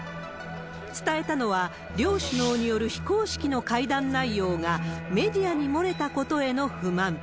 伝えたのは、両首脳による非公式の会談内容が、メディアに漏れたことへの不満。